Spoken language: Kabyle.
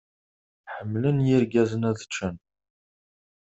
Ḥemmlen yirgazen ad ččen